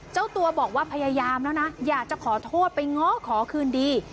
เจ้าตัวบอกว่าพยายามแล้วนะอยากจะขอโทษไปง้อขอคืนดี